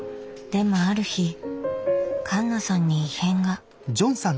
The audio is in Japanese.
でもある日環奈さんに異変が。